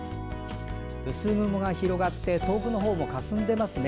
薄雲が広がって遠くのほうもかすんでいますね。